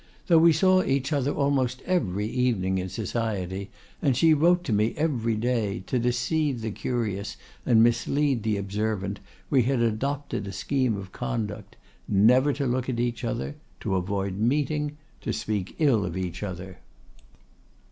Though we saw each other almost every evening in society, and she wrote to me every day, to deceive the curious and mislead the observant we had adopted a scheme of conduct: never to look at each other; to avoid meeting; to speak ill of each other.